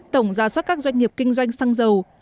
tổng giả soát các doanh nghiệp kinh doanh xăng dầu